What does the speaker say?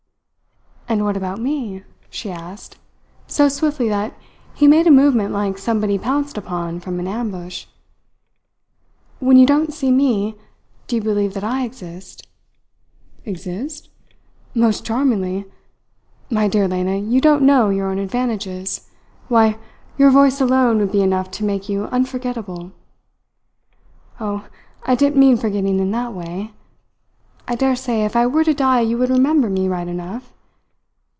"And what about me?" she asked, so swiftly that he made a movement like somebody pounced upon from an ambush. "When you don't see me, do you believe that I exist?" "Exist? Most charmingly! My dear Lena, you don't know your own advantages. Why, your voice alone would be enough to make you unforgettable!" "Oh, I didn't mean forgetting in that way. I dare say if I were to die you would remember me right enough.